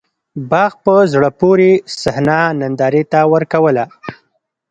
باغ په زړه پورې صحنه نندارې ته ورکوّله.